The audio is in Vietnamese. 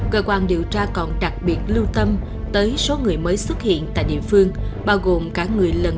cơ quan điều tra tiếp tục mở rộng diện nghi vấn